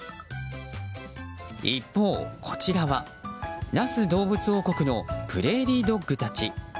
一方こちらは那須どうぶつ王国のプレーリードッグたち。